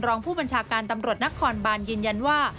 รองผู้บัญชาการตำรวจนครบานยืนยันว่า